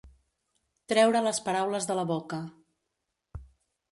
Treure les paraules de la boca.